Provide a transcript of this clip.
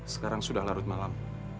sekarang sudah larut malam